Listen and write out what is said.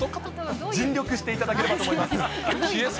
尽力していただければと思います。